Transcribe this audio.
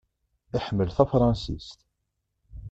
Iḥemmel tafṛansist.